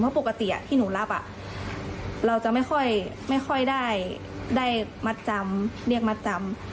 เพราะปกติที่หนูรับเราจะไม่ค่อยได้มัดจำเรียกมัดจำ